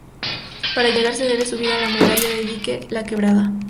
Para llegar se debe subir a la muralla del Dique La Quebrada.